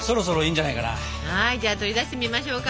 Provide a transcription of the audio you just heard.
はいじゃあ取り出してみましょうか。